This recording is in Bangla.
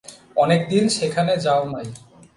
অনেক দিন সেখানে যাও নাই।